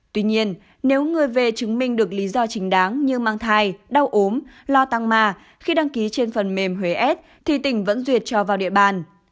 tuy nhiên nếu người về chứng minh được lý do chính đáng như mang thai đau ốm lo tăng mà khi đăng ký trên phần mềm huế s thì tỉnh vẫn duyệt cho vào địa bàn